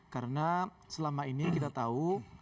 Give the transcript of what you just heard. karena selama ini kita tahu